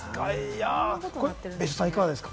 別所さん、いかがですか？